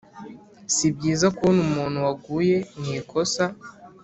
si byiza kubona umuntu waguye mu ikosa